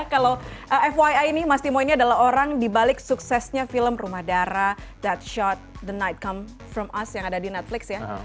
kalau fyi ini mas timo ini adalah orang dibalik suksesnya film rumah darah that shot the night come from us yang ada di netflix ya